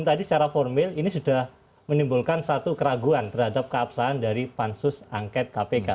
dan tadi secara formil ini sudah menimbulkan satu keraguan terhadap keabsahan dari pansus angkat kpk